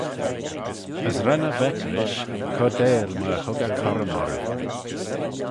As ren e vec rish, cordail myr hug eh currym orroo.